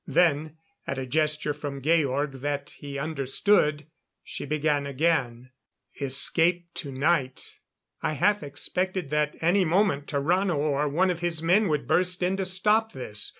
Then, at a gesture from Georg that he understood, she began again: "Escape tonight " I half expected that any moment Tarrano or one of his men would burst in to stop this.